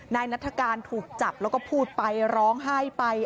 นัฐกาลถูกจับแล้วก็พูดไปร้องไห้ไป